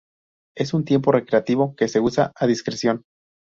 Es un tiempo recreativo que se usa a discreción.